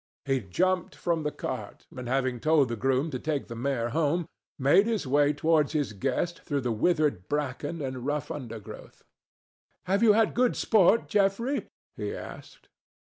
He jumped from the cart, and having told the groom to take the mare home, made his way towards his guest through the withered bracken and rough undergrowth. "Have you had good sport, Geoffrey?" he asked.